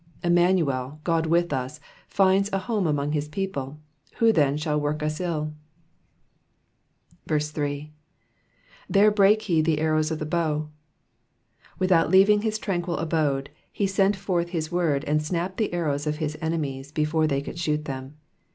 Immanuel, God with us, finds a home among his people, who then shall work us ill ? 8. ^^ There brake he the arrows of the bow,'*^ Without leaving his tranquil abode, he sent forth his word and snapped the arrows of his enemies before they could shoot them.